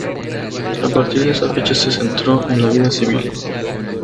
A partir de esa fecha se centró en la vida civil.